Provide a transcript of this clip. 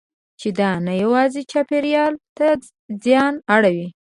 چې دا نه یوازې چاپېریال ته زیان اړوي.